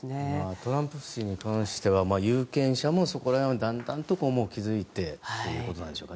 トランプ氏に関しては有権者もそこら辺はだんだんと気付いてということなんでしょうか。